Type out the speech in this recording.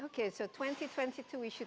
oke jadi tahun dua ribu dua puluh dua